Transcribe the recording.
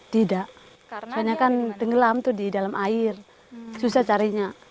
tidak soalnya kan tenggelam itu di dalam air susah carinya